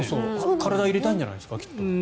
体入れたいんじゃないですか？